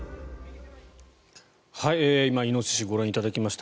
今、イノシシをご覧いただきました。